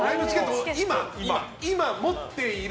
今、持っている。